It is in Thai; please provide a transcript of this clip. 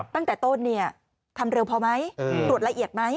ตั้งแต่ต้นทำเร็วพอไหมตรวจละเอียดไหม